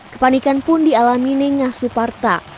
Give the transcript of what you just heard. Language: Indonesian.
kepanikan pun dialami nengah suparta